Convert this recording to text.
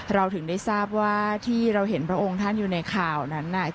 เราถึงได้ทราบว่าที่เราเห็นพระองค์ท่านอยู่ในข่าวนั้นน่ะ